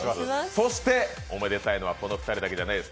そして、おめでたいのはこの２人だけではないです。